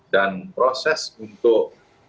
dan proses untuk